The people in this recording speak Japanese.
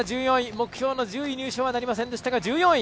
目標の１０位入賞はなりませんでしたが１４位。